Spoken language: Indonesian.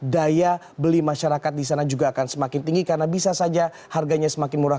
daya beli masyarakat di sana juga akan semakin tinggi karena bisa saja harganya semakin murah